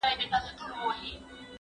نور یې نه کول د مړو توهینونه